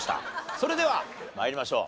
それでは参りましょう。